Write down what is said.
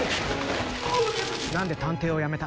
何で探偵をやめた？